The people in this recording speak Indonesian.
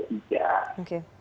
dan kemudian kita bisa mencari